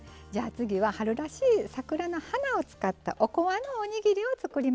じゃあ次は春らしい桜の花を使ったおこわのおにぎりを作りましょう。